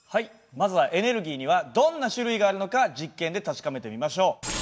まずはエネルギーにはどんな種類があるのか実験で確かめてみましょう。